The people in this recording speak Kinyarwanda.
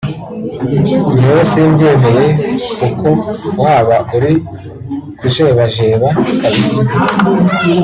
gewe simbyemeye kko waba uri kujebajeba kbsa